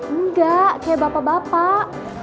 enggak kayak bapak bapak